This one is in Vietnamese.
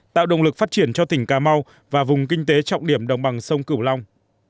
tạo động lực phát triển cho tỉnh cà mau và vùng kinh tế trọng điểm đồng bằng sông cửu long